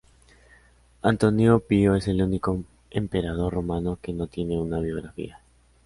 Antonino Pío es el único emperador romano que no tiene una biografía.